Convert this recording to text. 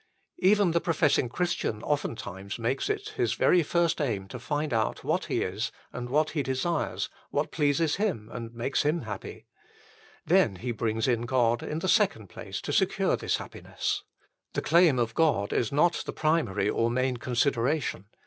Even the professing Christian oftentimes makes it his very first aim to find out what he is and what he desires, what pleases him and makes him happy. Then he brings in God in the second place to secure this happiness. The claim of God is not the primary or main consideration.